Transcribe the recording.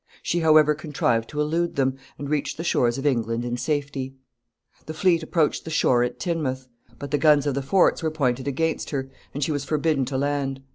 She, however, contrived to elude them, and reached the shores of England in safety. [Sidenote: Hurried flight.] The fleet approached the shore at Tynemouth, but the guns of the forts were pointed against her, and she was forbidden to land.